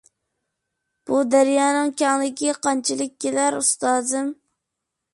بۇ دەريانىڭ كەڭلىكى قانچىلىك كېلەر، ئۇستازىم؟